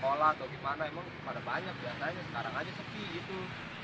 sekolah atau gimana emang pada banyak biasanya sekarang aja sepi gitu jadi akan kejadian itu